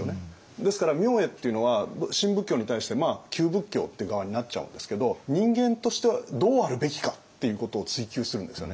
ですから明恵っていうのは新仏教に対して旧仏教という側になっちゃうんですけどっていうことを追求するんですよね。